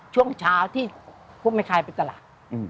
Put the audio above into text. ช่วงเช้าที่พวกแม่คลายไปตลาด